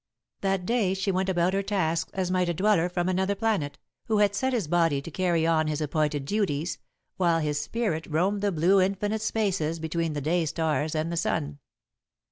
That day she went about her tasks as might a dweller from another planet, who had set his body to carry on his appointed duties, while his spirit roamed the blue infinite spaces between the day stars and the sun.